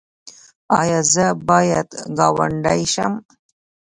ایا زه باید ګاونډی شم؟